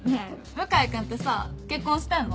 向井君ってさ結婚してんの？